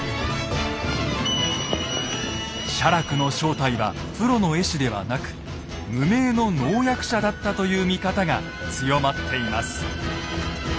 写楽の正体はプロの絵師ではなく無名の能役者だったという見方が強まっています。